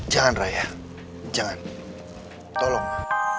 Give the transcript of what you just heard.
jangan raya jangan tolong